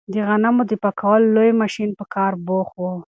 د غنمو د پاکولو لوی ماشین په کار بوخت و.